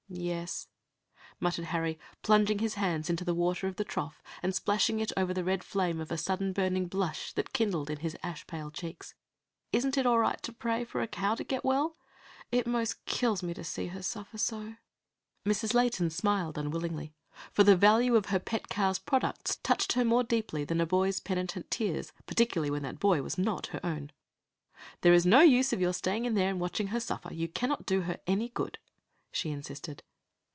"Yes," muttered Harry, plunging his hands into the water of the trough, and splashing it over the red flame of a sudden burning blush that kindled in his ash pale cheeks. "Isn't it all right to pray for a cow to get well? It 'most kills me to see her suffer so." Mrs. Layton smiled unwillingly; for the value of her pet cow's products touched her more deeply than a boy's penitent tears, particularly when that boy was not her own. "There is no use of your staying in there and watching her suffer, you cannot do her any good," she insisted.